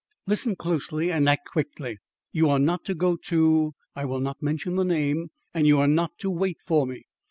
Listen closely and act quickly. You are not to go to I will not mention the name; and you are not to wait for me.